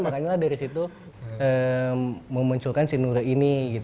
makanya lah dari situ memunculkan si lure ini